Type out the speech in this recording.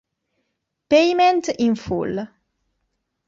Payment in Full